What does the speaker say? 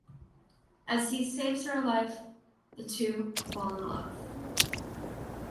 As he saves her life, the two fall in love.